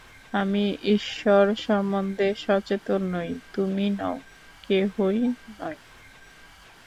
আমি ঈশ্বর সম্বন্ধে সচেতন নই, তুমিও নও, কেহই নয়।